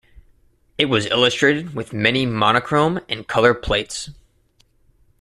It was illustrated with many monochrome and colour plates.